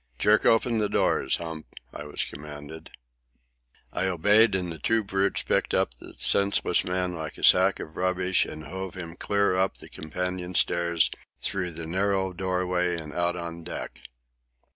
"Jerk open the doors, Hump," I was commanded. I obeyed, and the two brutes picked up the senseless man like a sack of rubbish and hove him clear up the companion stairs, through the narrow doorway, and out on deck.